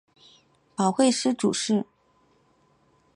保惠司主事。